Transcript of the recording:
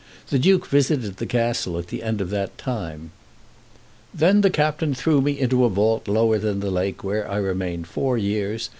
The duke visited the castle at the end of that time. "Then the captain threw me into a vault lower than the lake, where I remained four years.